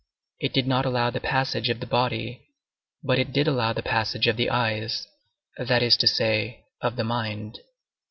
It did not allow the passage of the body, but it did allow the passage of the eyes; that is to say, of the mind.